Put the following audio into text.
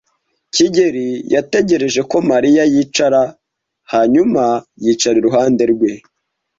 kigeli yategereje ko Mariya yicara hanyuma yicara iruhande rwe.